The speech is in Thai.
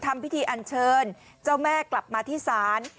ทำพิธีอันเชิญเจ้าแม่กลับมาที่ศาล